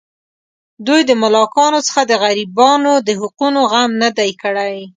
دوی د ملاکانو څخه د غریبانو د حقوقو غم نه دی کړی.